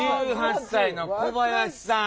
１８歳の小林さん。